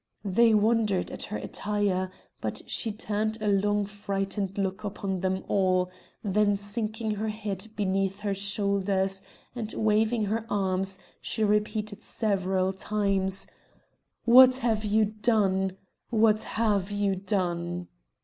They wondered at her attire, but she turned a long frightened look upon them all, then sinking her head beneath her shoulders, and waving her arms, she repeated several times: "What have you done? what have you done?